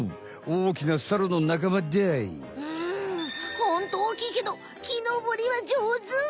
ホントおおきいけど木のぼりはじょうず！